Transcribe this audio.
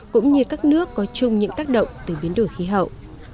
cũng như các nước có chung những tác động từ biến đổi khí hậu